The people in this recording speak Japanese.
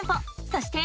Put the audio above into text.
そして。